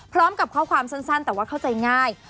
พร้อมกับข้อความสั้นแต่ว่าเข้าใจง่าย